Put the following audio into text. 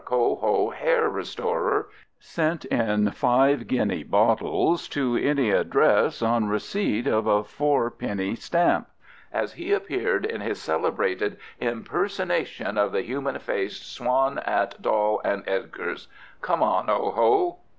Ko Ho hair restorer sent in five guinea bottles to any address on receipt of four penny stamps as he appeared in his celebrated impersonation of the human faced Swan at Doll and Edgar's. Come on, oh, Ho!"